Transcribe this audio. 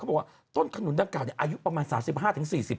เขาบอกว่าต้นขนุนด้านเก่าเนี่ยอายุประมาณ๓๕๔๐ปี